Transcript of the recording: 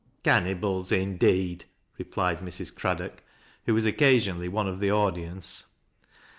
" Cannybles, indeed !" replied Mrs. Craddcck, whc was occasionally one of the audience.